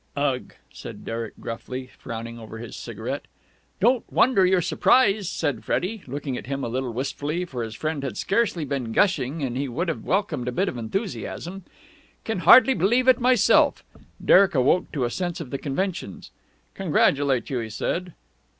"Ugh!" said Derek gruffly, frowning over his cigarette. "Don't wonder you're surprised," said Freddie, looking at him a little wistfully, for his friend had scarcely been gushing, and he would have welcomed a bit of enthusiasm. "Can hardly believe it myself." Derek awoke to a sense of the conventions. "Congratulate you," he said.